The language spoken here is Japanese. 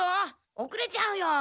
おくれちゃうよ。